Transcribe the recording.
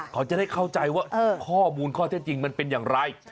เขาจะได้เข้าใจว่าข้อมูลข้อเท็จจริงมันเป็นอย่างไร